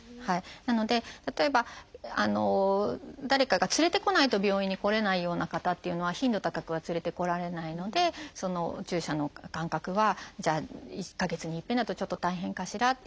なので例えば誰かが連れてこないと病院に来れないような方っていうのは頻度高くは連れてこられないのでお注射の間隔はじゃあ１か月に一遍だとちょっと大変かしらっていって選んだりとか。